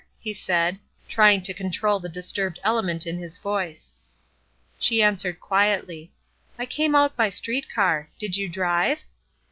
he said, trying to control the disturbed element in his voice. She answered quietly: "I came out by street car. Did you drive?"